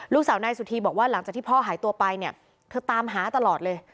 ลูกสาวนายสุธีบอกว่าหลังจากที่พ่อหายตัวไปเนี่ยเธอตามหาตลอดเลย